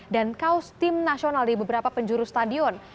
dan kaos tim nasional di beberapa penjuru stadion